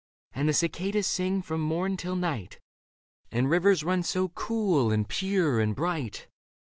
And the cicadas sing from morn till night. And rivers run so cool and pure and bright